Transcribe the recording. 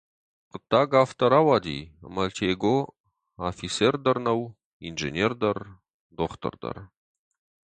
Хъуыддаг афтӕ рауади, ӕмӕ Тего афицер дӕр нӕу, инженер дӕр, дохтыр дӕр.